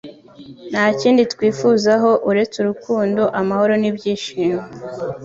Nta kindi kwifuzaho uretse urukundo, amahoro n’ibyishimo